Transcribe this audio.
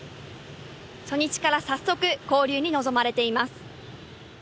初日から早速交流に臨まれています。